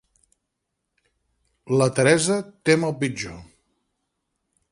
La Teresa tem el pitjor.